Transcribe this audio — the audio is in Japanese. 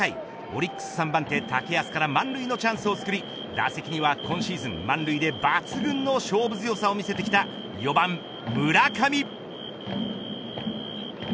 オリックス３番手竹安から満塁のチャンスをつくり打席には今シーズン満塁で抜群の勝負強さを見せてきた４番、村上。